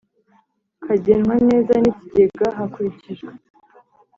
Kagenwa neza n ikigega hakurikijwe